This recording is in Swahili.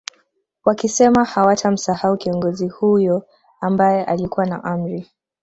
Wakisema hawatamsahau kiongozi huyo ambae alikuwa na Amri